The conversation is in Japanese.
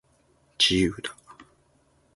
自由だ